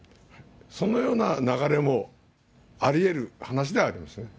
そのような流れもありえる話ではありますよね。